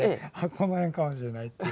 この辺かもしれないっていう。